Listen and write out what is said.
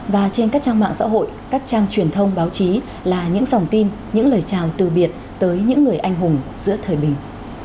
và trên các trang mạng xã hội các trang truyền thông báo chí là những dòng tin những lời chào từ biệt tới những người anh hùng giữa thời bình